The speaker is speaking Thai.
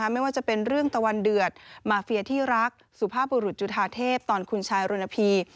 ไม่ว่าจะเป็นเรื่องตะวันเดือดมาเฟียที่รักสุภาพบุรุษจุธาเทพตอนคุณชายรณพี